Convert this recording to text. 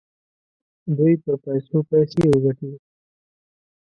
دوی پر پیسو پیسې وګټي.